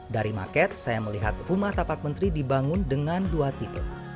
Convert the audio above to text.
dari market saya melihat rumah tapak menteri dibangun dengan dua tipe